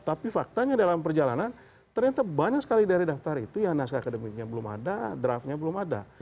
tapi faktanya dalam perjalanan ternyata banyak sekali dari daftar itu ya naskah akademiknya belum ada draftnya belum ada